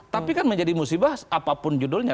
tapi kan menjadi musibah apapun judulnya